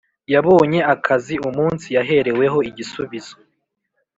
Yabonye akazi umunsi yahereweho igisubizo